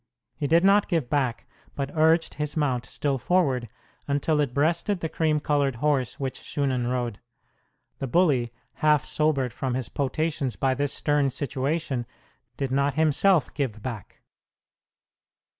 He did not give back, but urged his mount still forward, until it breasted the cream colored horse which Shunan rode. The bully, half sobered from his potations by this stern situation, did not himself give back.